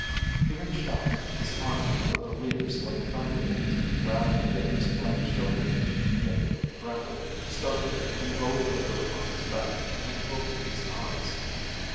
He reached out, his arm over the leaves like thunder, and grabbed Iimmi's black shoulder. Iimmi grunted, started, then rolled over on his back, and opened his eyes.